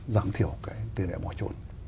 giảm thiểu cái tỉ lệ bỏ trốn